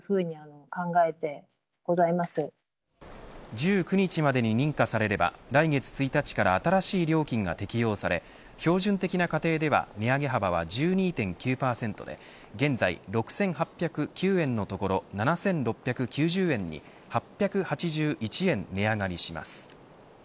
１９日までに認可されれば来月１日から新しい料金が適用され標準的な家庭では値上げ幅は１２．９％で現在６８０９円のところ７６９０円に８８１円値上がりします。